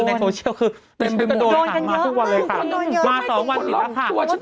คือในโทเชียลคือโดนกันมาทุกวันเลยค่ะ